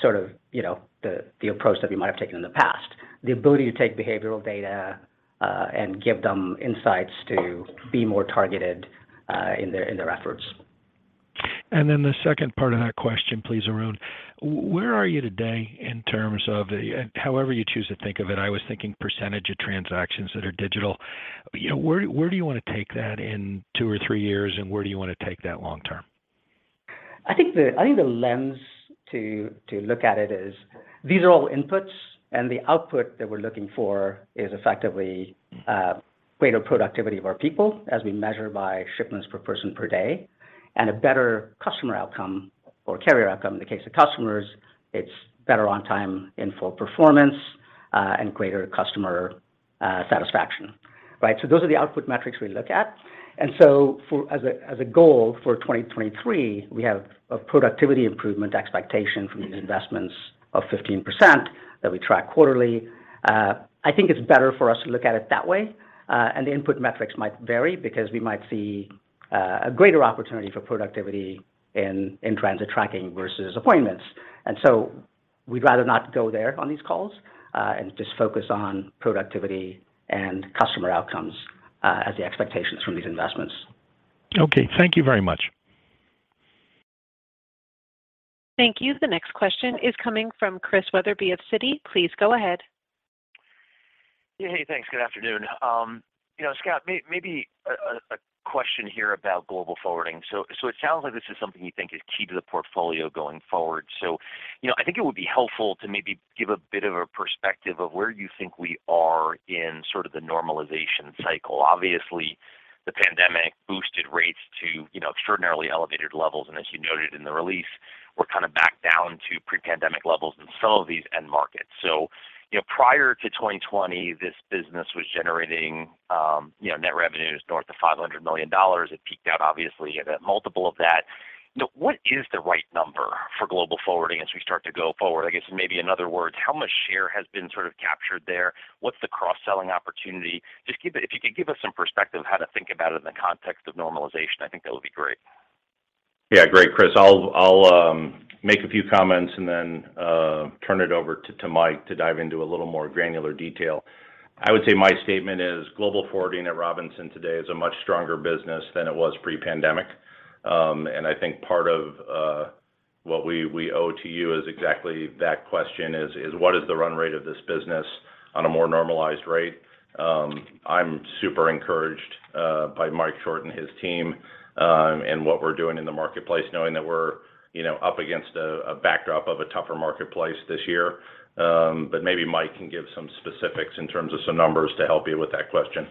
sort of, you know, the approach that we might have taken in the past. The ability to take behavioral data, and give them insights to be more targeted, in their efforts. The second part of that question, please, Arun, where are you today in terms of however you choose to think of it? I was thinking % of transactions that are digital. You know, where do you want to take that in two or three years, and where do you want to take that long term? I think the lens to look at it is these are all inputs, and the output that we're looking for is effectively greater productivity of our people as we measure by shipments per person per day, and a better customer outcome or carrier outcome. In the case of customers, it's better on time in full performance, and greater customer satisfaction, right? Those are the output metrics we look at. As a goal for 2023, we have a productivity improvement expectation from these investments of 15% that we track quarterly. I think it's better for us to look at it that way. The input metrics might vary because we might see a greater opportunity for productivity in transit tracking versus appointments. We'd rather not go there on these calls, and just focus on productivity and customer outcomes, as the expectations from these investments. Okay. Thank you very much. Thank you. The next question is coming from Chris Wetherbee of Citi. Please go ahead. Yeah. Hey, thanks. Good afternoon. You know, Scott, maybe a question here about Global Forwarding. It sounds like this is something you think is key to the portfolio going forward. You know, I think it would be helpful to maybe give a bit of a perspective of where you think we are in sort of the normalization cycle. Obviously, the pandemic boosted rates to, you know, extraordinarily elevated levels, and as you noted in the release, we're kind of back down to pre-pandemic levels in some of these end markets. Prior to 2020, this business was generating net revenues north of $500 million. It peaked out, obviously, at a multiple of that. You know, what is the right number for Global Forwarding as we start to go forward? I guess maybe in other words, how much share has been sort of captured there? What's the cross-selling opportunity? If you could give us some perspective how to think about it in the context of normalization, I think that would be great. Yeah. Great, Chris. I'll make a few comments and then turn it over to Mike to dive into a little more granular detail. I would say my statement is Global Forwarding at Robinson today is a much stronger business than it was pre-pandemic. I think part of what we owe to you is exactly that question is what is the run rate of this business on a more normalized rate? I'm super encouraged by Mike Short and his team and what we're doing in the marketplace, knowing that we're, you know, up against a backdrop of a tougher marketplace this year. Maybe Mike can give some specifics in terms of some numbers to help you with that question.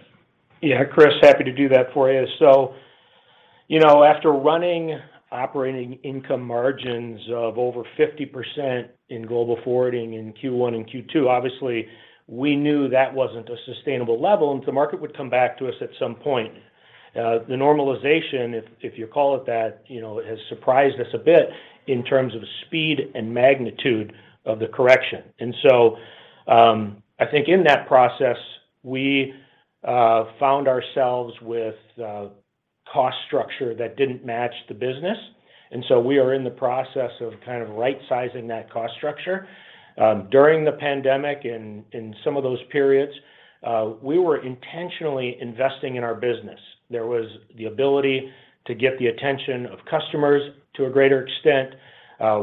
Yeah, Chris, happy to do that for you. You know, after running operating income margins of over 50% in Global Forwarding in Q1 and Q2, obviously we knew that wasn't a sustainable level, and the market would come back to us at some point. The normalization, if you call it that, you know, has surprised us a bit in terms of speed and magnitude of the correction. I think in that process, we found ourselves with a cost structure that didn't match the business. We are in the process of kind of right-sizing that cost structure. During the pandemic in some of those periods, we were intentionally investing in our business. There was the ability to get the attention of customers to a greater extent.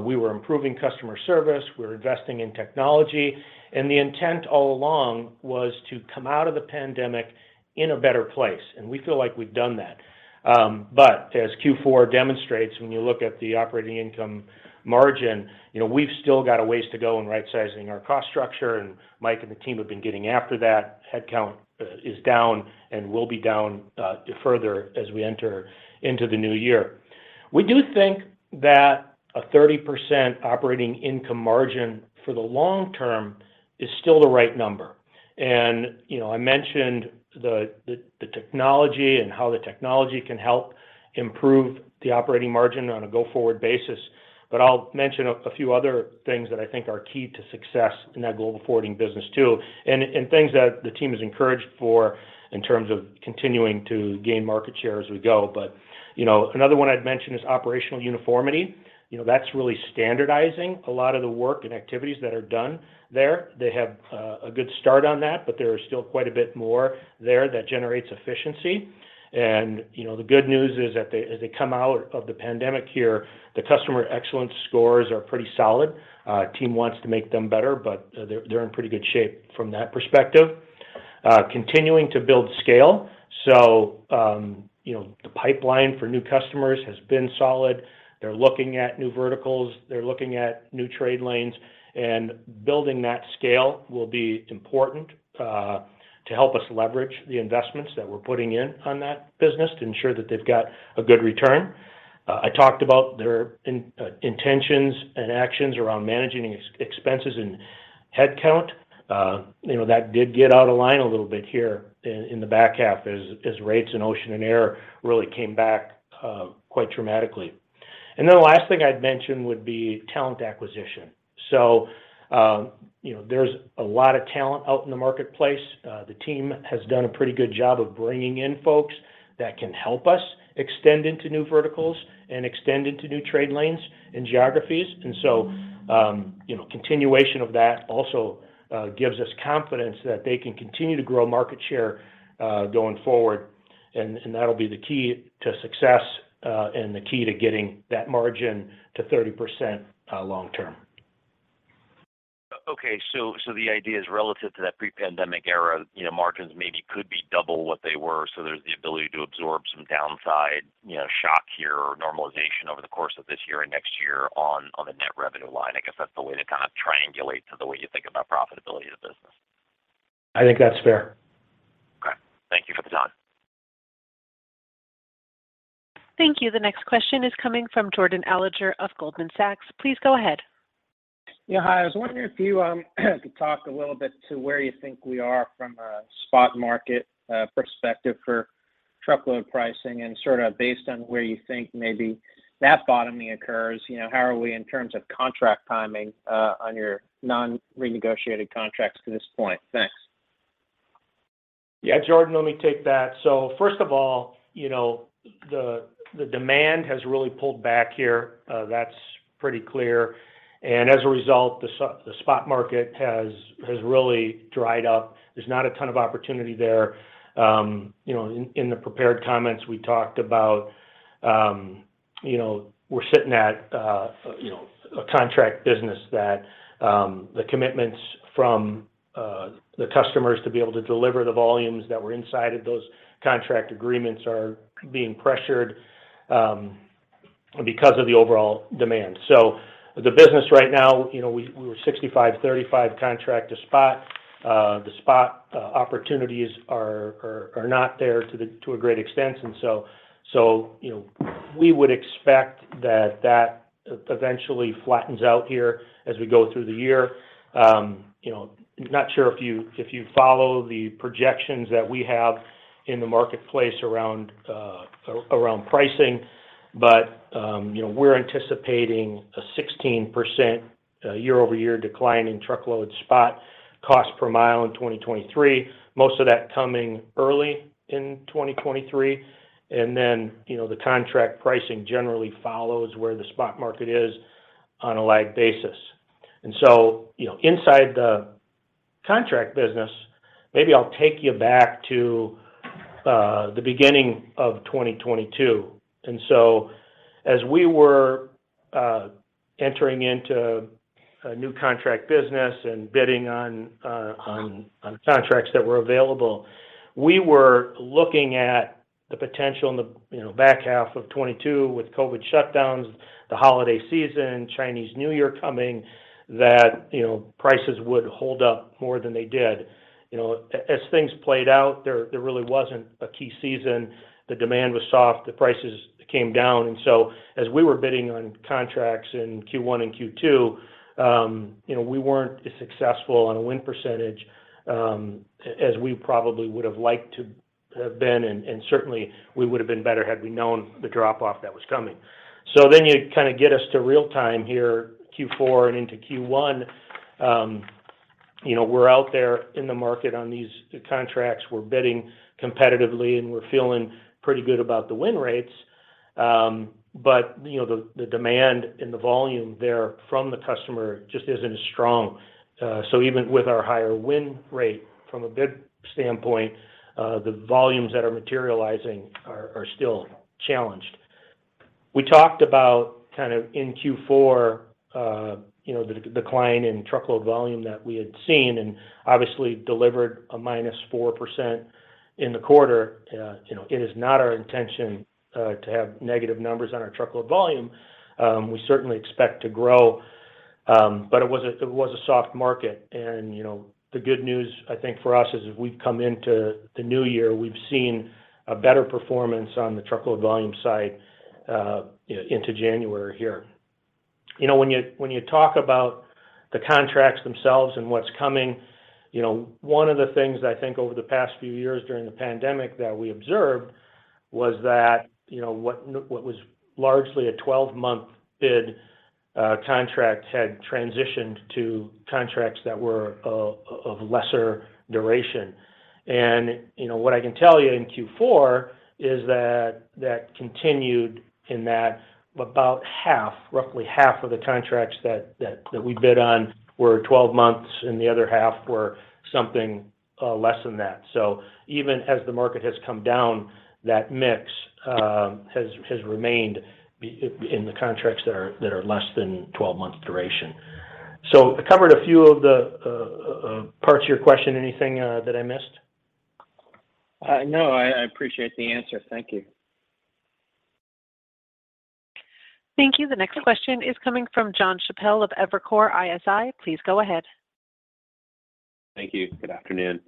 We were improving customer service. We were investing in technology. The intent all along was to come out of the pandemic in a better place, and we feel like we've done that. As Q4 demonstrates, when you look at the operating income margin, you know, we've still got a ways to go in right-sizing our cost structure, and Mike and the team have been getting after that. Headcount is down and will be down further as we enter into the new year. We do think that a 30% operating income margin for the long term is still the right number. You know, I mentioned the technology and how the technology can help improve the operating margin on a go-forward basis. I'll mention a few other things that I think are key to success in that Global Forwarding business too, and things that the team is encouraged for in terms of continuing to gain market share as we go. You know, another one I'd mention is operational uniformity. You know, that's really standardizing a lot of the work and activities that are done there. They have a good start on that, but there is still quite a bit more there that generates efficiency. You know, the good news is that as they come out of the pandemic here, the customer excellence scores are pretty solid. Team wants to make them better, but they're in pretty good shape from that perspective. Continuing to build scale. You know, the pipeline for new customers has been solid. They're looking at new verticals. They're looking at new trade lanes. Building that scale will be important to help us leverage the investments that we're putting in on that business to ensure that they've got a good return. I talked about their intentions and actions around managing expenses and headcount. You know, that did get out of line a little bit here in the back half as rates in ocean and air really came back quite dramatically. The last thing I'd mention would be talent acquisition. You know, there's a lot of talent out in the marketplace. The team has done a pretty good job of bringing in folks that can help us extend into new verticals and extend into new trade lanes and geographies. You know, continuation of that also, gives us confidence that they can continue to grow market share, going forward, and that'll be the key to success, and the key to getting that margin to 30%, long term. The idea is relative to that pre-pandemic era, you know, margins maybe could be double what they were, so there's the ability to absorb some downside, you know, shock here or normalization over the course of this year and next year on the net revenue line. I guess that's the way to kind of triangulate to the way you think about profitability of the business. I think that's fair. Okay. Thank you for the time. Thank you. The next question is coming from Jordan Alliger of Goldman Sachs. Please go ahead. Yeah, hi. I was wondering if you could talk a little bit to where you think we are from a spot market perspective for truckload pricing and sort of based on where you think maybe that bottoming occurs. You know, how are we in terms of contract timing on your non-renegotiated contracts to this point? Thanks. Yeah, Jordan, let me take that. First of all, you know, the demand has really pulled back here. That's pretty clear. As a result, the spot market has really dried up. There's not a ton of opportunity there. You know, in the prepared comments we talked about, you know, we're sitting at, you know, a contract business that the commitments from the customers to be able to deliver the volumes that were inside of those contract agreements are being pressured because of the overall demand. The business right now, you know, we were 65, 35 contract to spot. The spot opportunities are not there to a great extent. You know, we would expect that eventually flattens out here as we go through the year. You know, not sure if you, if you follow the projections that we have in the marketplace around pricing, but, you know, we're anticipating a 16% year-over-year decline in truckload spot cost per mile in 2023. Most of that coming early in 2023. You know, the contract pricing generally follows where the spot market is on a lag basis. You know, inside the contract business, maybe I'll take you back to the beginning of 2022. As we were entering into a new contract business and bidding on contracts that were available, we were looking at the potential in the, you know, back half of 22 with COVID shutdowns, the holiday season, Chinese New Year coming, that, you know, prices would hold up more than they did. You know, as things played out, there really wasn't a key season. The demand was soft, the prices came down. As we were bidding on contracts in Q1 and Q2, you know, we weren't as successful on a win percentage, as we probably would have liked to have been, and certainly we would have been better had we known the drop-off that was coming. You kind of get us to real time here, Q4 and into Q1. You know, we're out there in the market on these contracts. We're bidding competitively, and we're feeling pretty good about the win rates. You know, the demand and the volume there from the customer just isn't as strong. Even with our higher win rate from a bid standpoint, the volumes that are materializing are still challenged. We talked about kind of in Q4, you know, the decline in truckload volume that we had seen and obviously delivered a -4% in the quarter. You know, it is not our intention to have negative numbers on our truckload volume. We certainly expect to grow. It was a soft market. You know, the good news, I think, for us is as we've come into the new year, we've seen a better performance on the truckload volume side, you know, into January here. You know, when you, when you talk about the contracts themselves and what's coming, you know, one of the things I think over the past few years during the pandemic that we observed was that, you know, what was largely a 12-month bid, contract had transitioned to contracts that were of lesser duration. You know, what I can tell you in Q4 is that that continued in that about half, roughly half of the contracts that we bid on were 12 months, and the other half were something less than that. Even as the market has come down, that mix has remained in the contracts that are less than 12 months duration. I covered a few of the parts of your question. Anything that I missed? No. I appreciate the answer. Thank you. Thank you. The next question is coming from Jon Chappell of Evercore ISI. Please go ahead. Thank you. Good afternoon.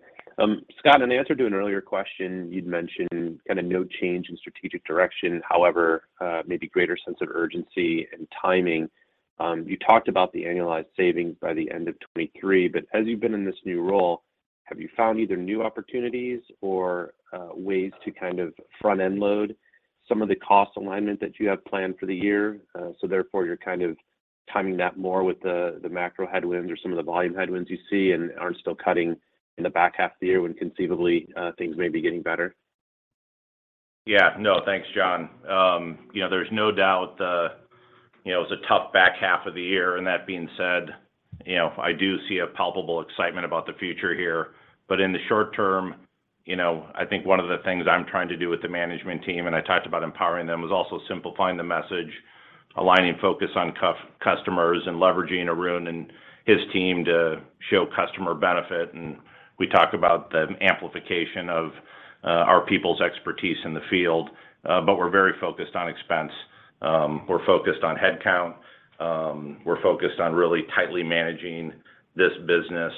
Scott, in the answer to an earlier question, you'd mentioned kind of no change in strategic direction, however, maybe greater sense of urgency and timing. You talked about the annualized savings by the end of 23, but as you've been in this new role- Have you found either new opportunities or ways to kind of front-end load some of the cost alignment that you have planned for the year, therefore you're kind of timing that more with the macro headwinds or some of the volume headwinds you see and aren't still cutting in the back half of the year when conceivably things may be getting better? Yeah. No, thanks, Jon. You know, there's no doubt, you know, it was a tough back half of the year. That being said, you know, I do see a palpable excitement about the future here. In the short term, you know, I think one of the things I'm trying to do with the management team, and I talked about empowering them, was also simplifying the message, aligning focus on customers, and leveraging Arun and his team to show customer benefit. We talk about the amplification of our people's expertise in the field. We're very focused on expense. We're focused on headcount. We're focused on really tightly managing this business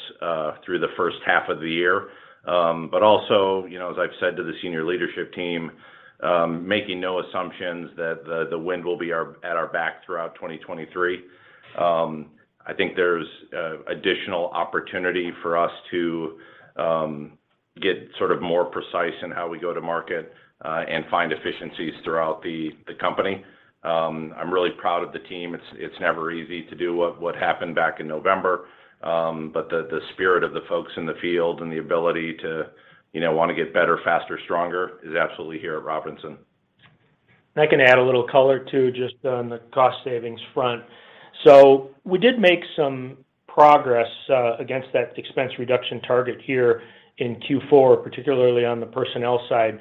through the first half of the year. Also, you know, as I've said to the senior leadership team, making no assumptions that the wind will be at our back throughout 2023. I think there's additional opportunity for us to get sort of more precise in how we go to market and find efficiencies throughout the company. I'm really proud of the team. It's never easy to do what happened back in November. The spirit of the folks in the field and the ability to, you know, want to get better, faster, stronger is absolutely here at Robinson. I can add a little color, too, just on the cost savings front. We did make some progress against that expense reduction target here in Q4, particularly on the personnel side.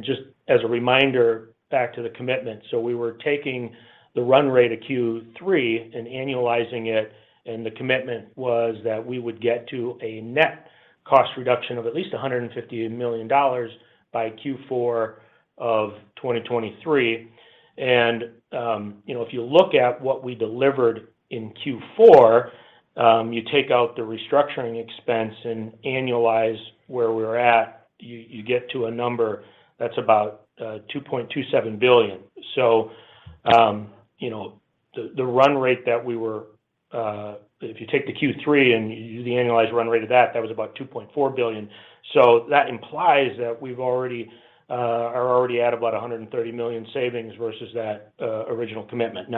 Just as a reminder back to the commitment, so we were taking the run rate of Q3 and annualizing it, and the commitment was that we would get to a net cost reduction of at least $150 million by Q4 of 2023. You know, if you look at what we delivered in Q4, you take out the restructuring expense and annualize where we're at, you get to a number that's about $2.27 billion. You know, the run rate that we were, if you take the Q3 and you do the annualized run rate of that was about $2.4 billion. That implies that we've already are already at about $130 million savings versus that original commitment.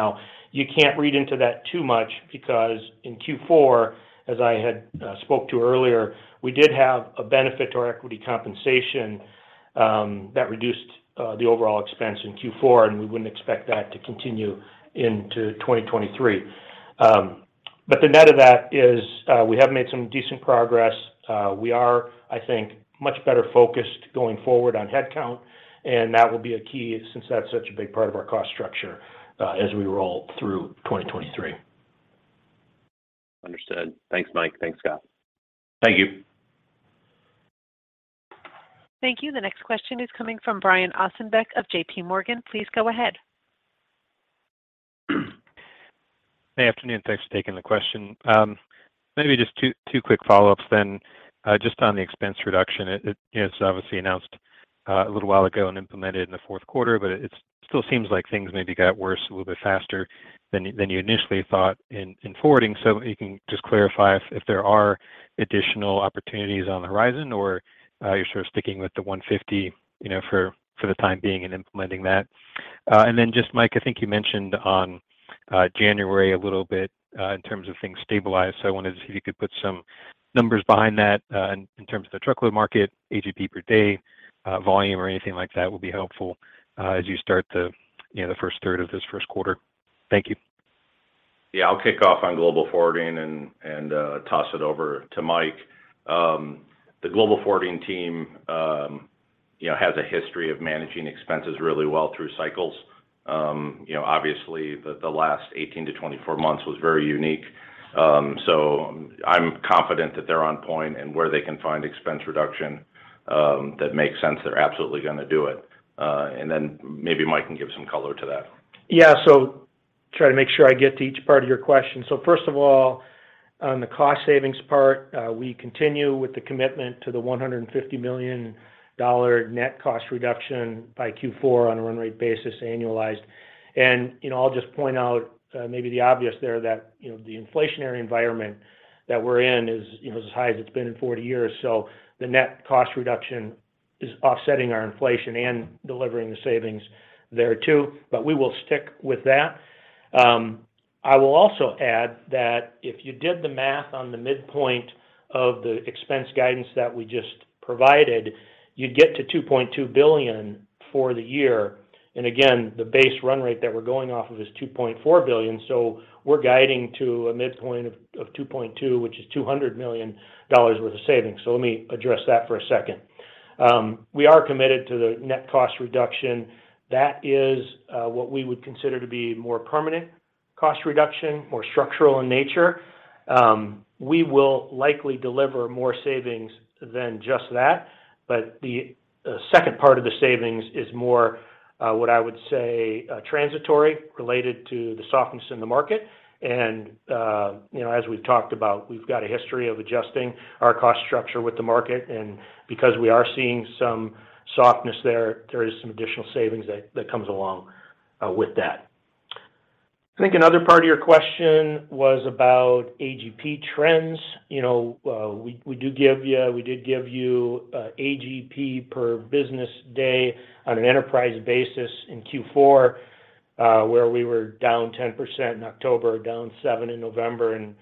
You can't read into that too much because in Q4, as I had spoke to earlier, we did have a benefit to our equity compensation, that reduced the overall expense in Q4, and we wouldn't expect that to continue into 2023. The net of that is, we have made some decent progress. We are, I think, much better focused going forward on headcount, and that will be a key since that's such a big part of our cost structure, as we roll through 2023. Understood. Thanks, Mike. Thanks, Scott. Thank you. Thank you. The next question is coming from Brian Ossenbeck of JPMorgan. Please go ahead. Good afternoon. Thanks for taking the question. maybe just two quick follow-ups then, just on the expense reduction. It, you know, it's obviously announced a little while ago and implemented in the fourth quarter, but it still seems like things maybe got worse a little bit faster than you initially thought in forwarding. if you can just clarify if there are additional opportunities on the horizon or you're sort of sticking with the $150, you know, for the time being and implementing that? then just Mike, I think you mentioned on January a little bit in terms of things stabilized. I wanted to see if you could put some numbers behind that, in terms of the truckload market, AGP per day, volume or anything like that would be helpful, as you start the, you know, the first third of this first quarter. Thank you. Yeah. I'll kick off on Global Forwarding and toss it over to Mike. The Global Forwarding team, you know, has a history of managing expenses really well through cycles. You know, obviously the last 18 to 24 months was very unique. I'm confident that they're on point and where they can find expense reduction that makes sense, they're absolutely gonna do it. Maybe Mike can give some color to that. Try to make sure I get to each part of your question. First of all, on the cost savings part, we continue with the commitment to the $150 million net cost reduction by Q4 on a run rate basis annualized. You know, I'll just point out, maybe the obvious there that, you know, the inflationary environment that we're in is, you know, as high as it's been in 40 years. The net cost reduction is offsetting our inflation and delivering the savings there too, but we will stick with that. I will also add that if you did the math on the midpoint of the expense guidance that we just provided, you'd get to $2.2 billion for the year. Again, the base run rate that we're going off of is $2.4 billion. We're guiding to a midpoint of $2.2 billion, which is $200 million worth of savings. Let me address that for a second. We are committed to the net cost reduction. That is what we would consider to be more permanent cost reduction, more structural in nature. We will likely deliver more savings than just that, but the second part of the savings is more what I would say transitory related to the softness in the market. You know, as we've talked about, we've got a history of adjusting our cost structure with the market. Because we are seeing some softness there is some additional savings that comes along with that. I think another part of your question was about AGP trends. You know, we did give you AGP per business day on an enterprise basis in Q4, where we were down 10% in October, down 7% in November, and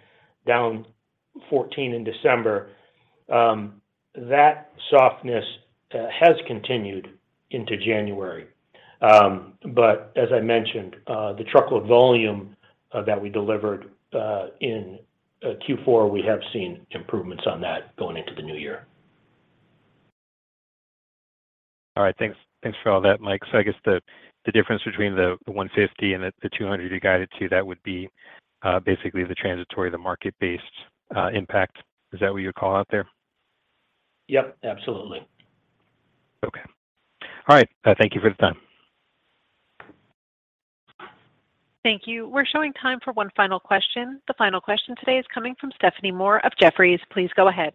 down 14% in December. That softness has continued into January. As I mentioned, the truckload volume that we delivered in Q4, we have seen improvements on that going into the new year. All right. Thanks, thanks for all that, Mike. I guess the difference between the $150 and the $200 you guided to, that would be basically the transitory, the market-based impact. Is that what you call out there? Yep, absolutely. Okay. All right. Thank you for the time. Thank you. We're showing time for one final question. The final question today is coming from Stephanie Moore of Jefferies. Please go ahead.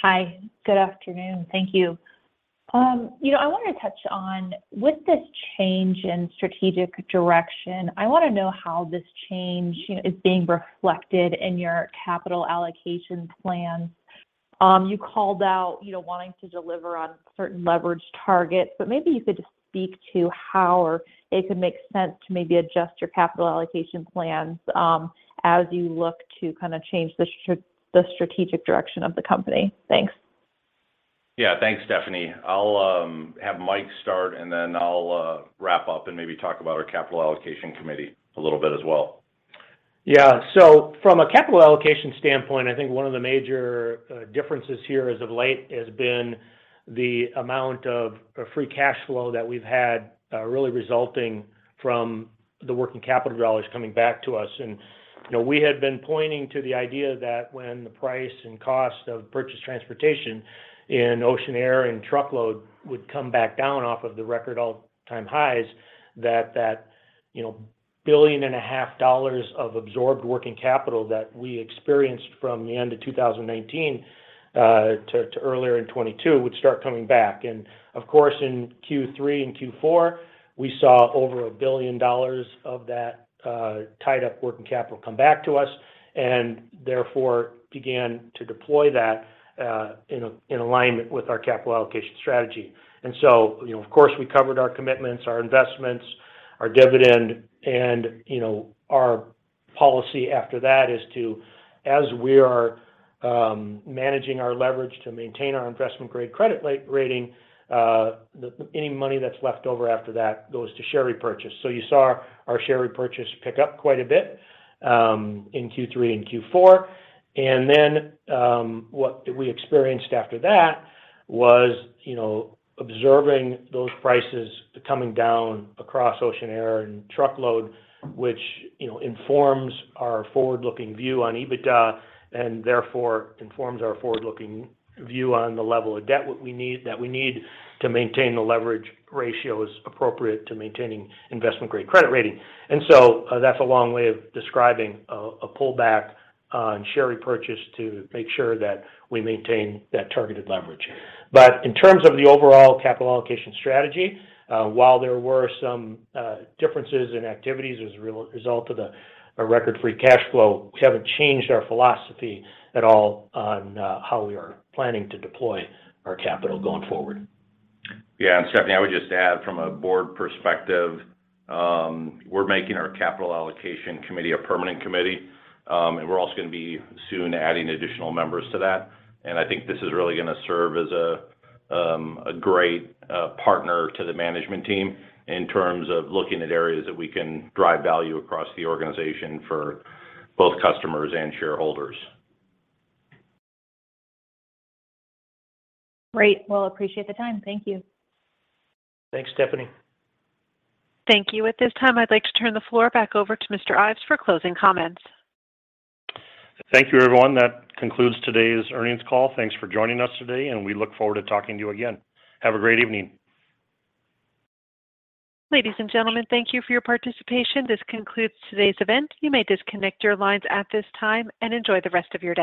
Hi. Good afternoon. Thank you. you know, I wanted to touch on with this change in strategic direction, I wanna know how this change, you know, is being reflected in your capital allocation plans. you called out, you know, wanting to deliver on certain leverage targets, maybe you could just speak to how or it could make sense to maybe adjust your capital allocation plans, as you look to kind of change the strategic direction of the company. Thanks. Yeah. Thanks, Stephanie. I'll have Mike start, then I'll wrap up and maybe talk about our capital allocation committee a little bit as well. Yeah. From a capital allocation standpoint, I think one of the major differences here as of late has been the amount of free cash flow that we've had, really resulting from the working capital dollars coming back to us. You know, we had been pointing to the idea that when the price and cost of purchase transportation in ocean air and truckload would come back down off of the record all-time highs that, you know, billion and a half dollars of absorbed working capital that we experienced from the end of 2019 to earlier in 2022 would start coming back. Of course, in Q3 and Q4, we saw over $1 billion of that tied-up working capital come back to us and therefore began to deploy that in alignment with our capital allocation strategy. You know, of course, we covered our commitments, our investments, our dividend. You know, our policy after that is to, as we are, managing our leverage to maintain our investment grade credit rating, any money that's left over after that goes to share repurchase. You saw our share repurchase pick up quite a bit in Q3 and Q4. What we experienced after that was, you know, observing those prices coming down across ocean air and truckload, which, you know, informs our forward-looking view on EBITDA and therefore informs our forward-looking view on the level of debt that we need to maintain the leverage ratios appropriate to maintaining investment grade credit rating. That's a long way of describing a pullback on share repurchase to make sure that we maintain that targeted leverage. In terms of the overall capital allocation strategy, while there were some differences in activities as a result of the record free cash flow, we haven't changed our philosophy at all on how we are planning to deploy our capital going forward. Yeah. Stephanie, I would just add from a board perspective, we're making our capital allocation committee a permanent committee, and we're also gonna be soon adding additional members to that. I think this is really gonna serve as a great partner to the management team in terms of looking at areas that we can drive value across the organization for both customers and shareholders. Great. Well, appreciate the time. Thank you. Thanks, Stephanie. Thank you. At this time, I'd like to turn the floor back over to Mr. Ives for closing comments. Thank you, everyone. That concludes today's earnings call. Thanks for joining us today, and we look forward to talking to you again. Have a great evening. Ladies and gentlemen, thank you for your participation. This concludes today's event. You may disconnect your lines at this time and enjoy the rest of your day.